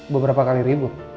beberapa kali ribut